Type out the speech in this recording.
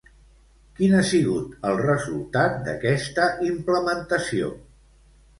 Quin ha sigut el resultat d'aquesta implementació?